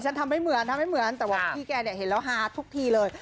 ทำให้เหมือนทำให้เหมือนแต่ว่าพี่แกเนี่ยเห็นแล้วฮาทุกทีเลย